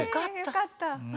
よかった。